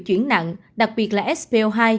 chuyển nặng đặc biệt là spo hai